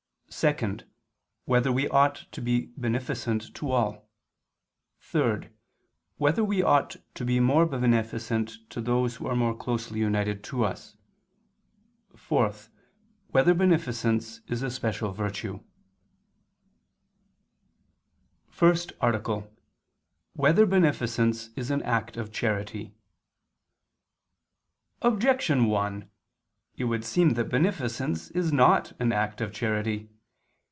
(2) Whether we ought to be beneficent to all? (3) Whether we ought to be more beneficent to those who are more closely united to us? (4) Whether beneficence is a special virtue? _______________________ FIRST ARTICLE [II II, Q. 31, Art. 1] Whether Beneficence Is an Act of Charity? Objection 1: It would seem that beneficence is not an act of charity.